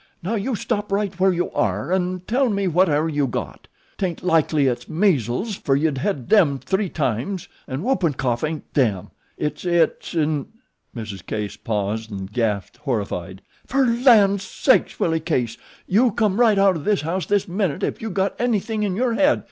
Now you stop right where you air 'n' tell me whatever you got. 'Taint likely it's measles, fer you've hed them three times, 'n' whoopin' cough ain't 'them,' it's 'it,' 'n' ." Mrs. Case paused and gasped horrified. "Fer lan' sakes, Willie Case, you come right out o' this house this minute ef you got anything in your head."